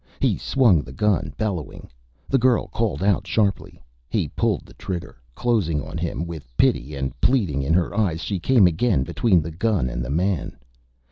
He swung the gun, bellowing. The girl called out sharply. He pulled the trigger. Closing on him with pity and pleading in her eyes, she came again between the gun and the man.